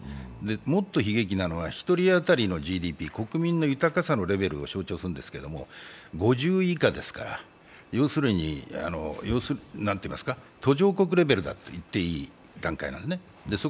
もっと悲劇なのは、１人当たりのＧＤＰ、国民の豊かさのレベルを象徴するんですけど、５０位以下ですから、要するに途上国レベルだと言っていい段階なんですね。